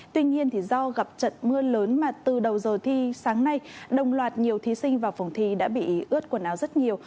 tuy nhiên do gặp trận mưa lớn mà từ đầu giờ thi sáng nay đồng loạt nhiều thí sinh vào phòng thi đã bị ướt quần áo rất nhiều